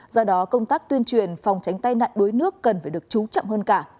do đó công tác tuyên truyền phòng tránh tai nạn đuối nước cần phải được trú chậm hơn cả